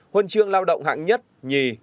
huân chương lao động hạng nhất nhì